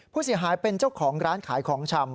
ผู้เสียหายเป็นเจ้าของร้านขายของชำ